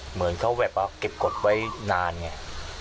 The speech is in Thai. เหมือนเขาแบบว่าเก็บกฎไว้นานไง